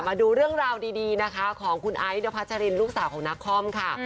มาดูเรื่องราวดีนะคะของคุณไอ้นพัชรินลูกสาวของนักคอมค่ะ